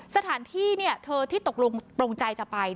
สถานที่เธอที่ตกลงตรงใจจะไป